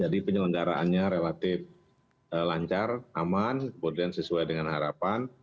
jadi penyelenggaraannya relatif lancar aman kemudian sesuai dengan harapan